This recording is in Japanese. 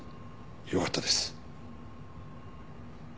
よかったです。